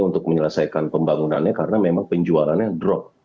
untuk menyelesaikan pembangunannya karena memang penjualannya drop